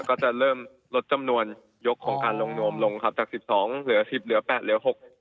ก็จะเริ่มลดจำนวนยกของการลงนวมลงครับจากสิบสองเหลือสิบเหลือแปดเหลือหก